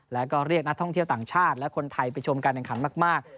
แล้วก็เรียกนักท่องเที่ยวต่างชาติและคนไทยไปชมการแข่งขันมาก